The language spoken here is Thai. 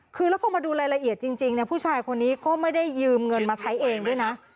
คือแล้วพอมาดูรายละเอียดจริงผู้ชายคนนี้ก็ไม่ได้ยืมเงินมาใช้เองด้วยนะ